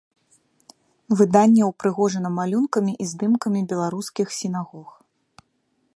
Выданне ўпрыгожана малюнкамі і здымкамі беларускіх сінагог.